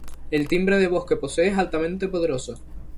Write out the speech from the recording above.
El timbre de voz que posee es altamente poderoso.